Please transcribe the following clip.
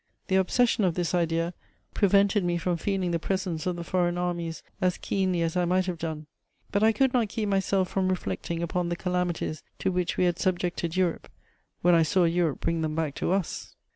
The obsession of this idea prevented me from feeling the presence of the foreign armies as keenly as I might have done: but I could not keep myself from reflecting upon the calamities to which we had subjected Europe, when I saw Europe bring them back to us.